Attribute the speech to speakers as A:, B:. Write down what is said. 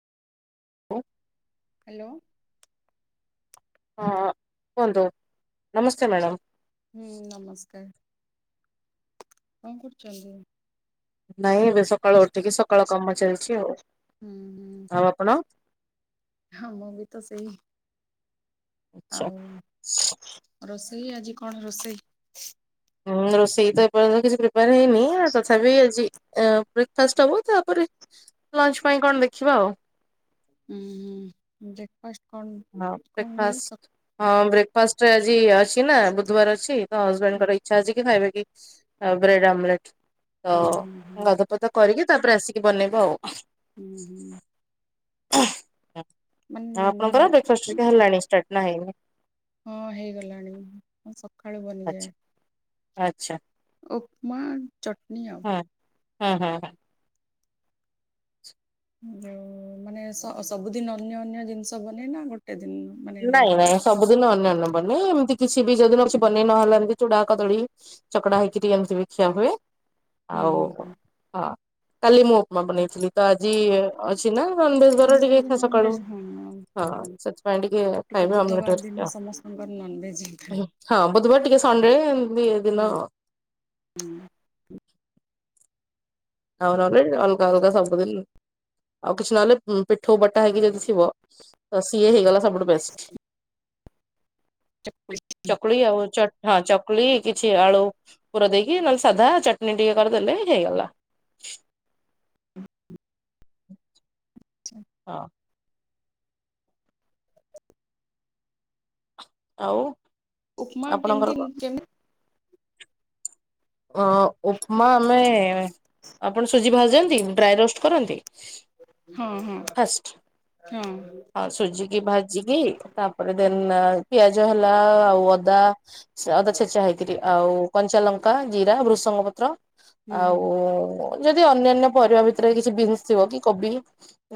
A: [unintelligible]
B: Hello.
A: ହଁ କୁହନ୍ତୁ ନମସ୍ତେ ମ୍ୟାଡ଼ାମ୍।
B: ହୁଁ ନମସ୍କାର୍। କଁ କରୁଚନ୍ତି?
A: ନାଇଁ ଏବେ ସକାଳୁ ଉଠିକି ସକାଳ କାମ ଚାଲିଚି ଆଉ।
B: ହୁଁ। ହୁଁ
A: ଆଉ ଆପଣ?
B: ହଁ ମୁଁ ବି ତ ସେଇ
A: ଆଚ୍ଛା।
B: [unintelligible] ରୋଷେଇ ଆଜି କଣ ରୋଷେଇ?
A: ଉଁ ରୋଷେଇ ତ ଏପର୍ଯ୍ୟନ୍ତ କିଛି ପ୍ରିପାର୍ ହେଇନି ତଥାପି ଆଜି [unintelligible] ବ୍ରେକ୍ ପାଷ୍ଟ ହବ ତାପରେ ଲଞ୍ଚ୍ ପାଇଁ କଣ ଦେଖିବା ଆଉ।
B: ଉଁ ହୁଁ ବ୍ରେକ୍ଫାଷ୍ଟ କଣ୍
A: ହଁ
B: କଁ ହୁଏ ସକ୍
A: ବ୍ରେକଫାଷ୍ଟ ହଁ ବ୍ରେକ୍ଫାଷ୍ଟରେ ଆଜି ଅଛି ନା ବୁଧବାର ଅଛି ତ ହଜବେଣ୍ଡ୍ ଙ୍କର ଇଚ୍ଛା ଅଛି କି ଖାଇବେ କି ଆଉ ବ୍ରେଡ୍ ଆମଲେଟ୍ ତ
B: ହୁଁ ହୁଁ ହୁଁ
A: ଗାଧୁଆ ପାଧୁଆ କରିକି ତାପରେ ଆସିକି ବନେଇବ ଆଉ।
B: ହୁଁ ହୁଁ
A: ଆ
B: ମାନେ
A: ଆପଣଙ୍କର ବେ ଫାଷ୍ଟ ରେ କଁ ହେଲାଣି ଷ୍ଟାର୍ଟ ନା ହେଇନି?
B: ହଁ ହେଇଗଲାଣି ମୁଁ ସକ୍ କାଳୁ ବନିଯାଏ
A: ଆଚ୍ଛା ଆଚ୍ଛା
B: ଉପମା ଚଟ୍ନି ଆଉ।
A: ହଁ-ହଁଁ
B: ଯୋଉ ମାନେ ସ ସବୁଦିନ ଅନ୍ୟ ଅନ୍ୟ ଜିନିଷ ବନେଇନା ଗୋଟେ ଦିନ। ମାନେ
A: ନାଇଁ
B: ଅଲଗା
A: ନାଇଁ
B: ଅଲଗା?
A: ସବୁଦିନ ଅନ୍ୟ ଅନ୍ୟ ବନେ ଏମ୍ତି କିଛି ବି ଯୋଉ ଦିନ କିଛି ବନେଇ ନହେଲା ଏମ୍ତି ଚୁଡା କଦଳୀ ଚକଡା ହେଇକିରି ଏମିତି ବି ଖିଆ ହୁଏ।
B: ହୁଁ
A: ଆଉ ହଁ
B: ହୁଁ
A: କାଲି ମୁଁ ଉପ୍ମା ବନେଇଥିଲି। ତ ଆଜି ଅଛି ନା ନନ୍ ଭେଜ
B: ହୁଁ
A: ବାର
B: ଆଜି
A: ଟିକେ ସକାଳୁ
B: ନନଭେଜ ହଁ ହୁଁ
A: ହଁ
B: ହୁଁ।
A: ସେଥିପାଇଁ ଟି
B: ଟିକେ ବୁଧବାର ଦିନ ସମସ୍ତଙ୍କର ନନ୍ ଭେଜ ହେଇଥାଏ
A: ହଁ ବୁଧବାର ଟିକେ ସଣ୍ଡେ ଏମିତି ଦିନ
B: ହୁଁ। ହୁଁ।
A: ଆଉ ରବି ଅଲ୍ଗା ଅଲ୍ଗା ସବୁ ଦିନ୍ ଆଉ କିଛି ନହେଲେ ଉଁ ପିଠୋଉ ବଟା ହେଇକି ଯଦି ଥିବ ତ ସିଏ ହେଇଗଲା ସବୁଠୁ ବେଷ୍ଟ୍।
B: [inaudible] ଚକୁଳି
A: ଚକୁଳି ଆଉ ଚ ହଁ ଚକୁଲି କିଛି ଆଳୁ ପୁର ଦେଇକି ନହେଲେ ସାଧା ଚଟଣି ଟିକେ କରିଦେଲେ ହେଇଗଲା। ହଁ। ଆଉ
B: ଉପମା
A: ଆପଣଙ୍କର
B: କେମିତି
A: କଣ?
B: କେମ
A: ଅ ଉପମା ଆମେ ଆପଣ ସୁଜି ଭଜିନ୍ତି ଡ୍ରାଏ ରୋଷ୍ଟ କରନ୍ତି?
B: ହଁ- ହଁ- ହଁ।
A: ଆ ସୁଜି କି ଭାଜିକି ତାପରେ ଦେନ ପିଆଜ ହେଲା ଆଉ ଅଦା ଅଦା ଛେଚା ହେଇକିରି ଆଉ କଞ୍ଚା ଲଙ୍କା ଜିରା ଭୃସଙ୍ଗ ପତ୍ର।
B: ହୁଁ।
A: ଆଉ ଯଦି ଅନ୍ୟାନ୍ୟ ପରିବା ଭିତରେ କିଛି ବିନ୍ସ ଥିବ କି କୋବି